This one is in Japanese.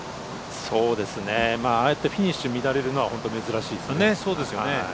ああやってフィニッシュ乱れるのは本当に珍しいですね。